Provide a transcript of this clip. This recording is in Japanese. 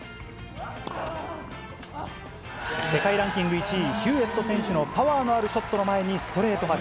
世界ランキング１位、ヒューエット選手のパワーのあるショットの前にストレート負け。